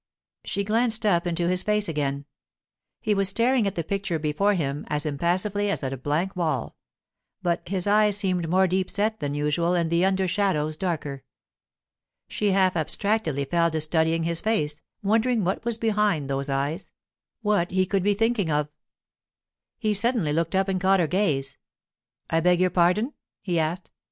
She glanced up into his face again. He was staring at the picture before him as impassively as at a blank wall; but his eyes seemed more deep set than usual and the under shadows darker. She half abstractedly fell to studying his face, wondering what was behind those eyes; what he could be thinking of. He suddenly looked up and caught her gaze. 'I beg your pardon?' he asked.